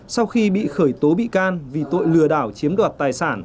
sau khi bị khởi tố bị can vì tội lừa đảo chiếm đoạt tài sản